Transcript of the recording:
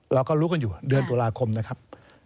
เราก็รู้กันอยู่เดือนตุลาคมนะครับ